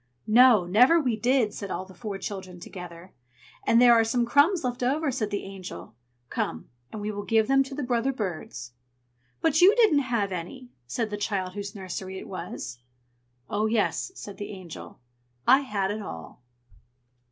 "No, never we did!" said all the four children together. "And there are some crumbs left over," said the Angel. "Come, and we will give them to the brother birds!" "But you didn't have any!" said the child whose nursery it was. "Oh, yes!" said the Angel. "I had it all!"